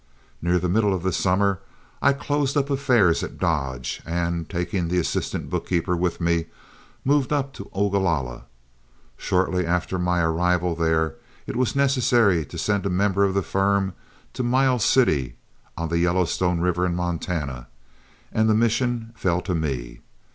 Near the middle of the summer I closed up our affairs at Dodge, and, taking the assistant bookkeeper with me, moved up to Ogalalla. Shortly after my arrival there, it was necessary to send a member of the firm to Miles City, on the Yellowstone River in Montana, and the mission fell to me.